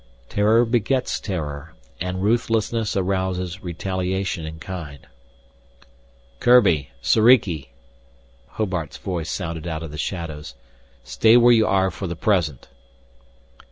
Terror begets terror, and ruthlessness arouses retaliation in kind. "Kurbi! Soriki!" Hobart's voice sounded out of the shadows. "Stay where you are for the present."